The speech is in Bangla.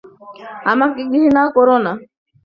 আমাকে ঘৃণা কোরো না।